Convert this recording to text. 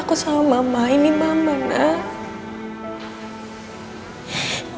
aku takut sama mainin mama nak